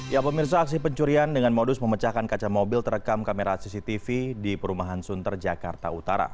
ya pemirsa aksi pencurian dengan modus memecahkan kaca mobil terekam kamera cctv di perumahan sunter jakarta utara